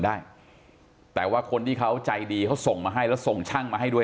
ได้แต่ว่าคนที่เขาใจดีเขาส่งมาให้แล้วส่งช่างมาให้ด้วย